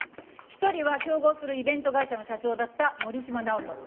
１人は競合するイベント会社の社長だった森島直人。